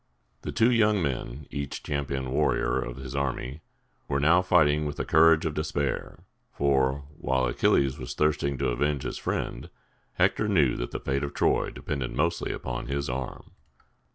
The two young men, each the champion warrior of his army, were now fighting with the courage of despair; for, while Achilles was thirsting to avenge his friend, Hector knew that the fate of Troy depended mostly upon his arm.